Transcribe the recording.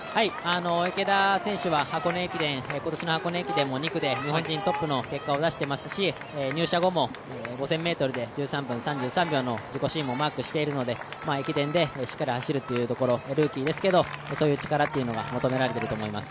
池田選手は今年の箱根駅伝は日本人トップの結果を出していますし、入社後も５０００ｍで１３分３３秒の自己新をマークしてるので駅伝でしっかり走るというところ、ルーキーですけどもそういう力というのが求められていると思います。